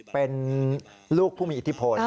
เป็นลูกผู้มีอิทธิพล